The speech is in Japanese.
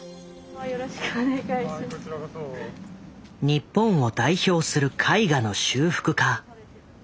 日本を代表する絵画の修復